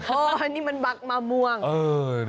โอ้นี่มันบัคมะม่วง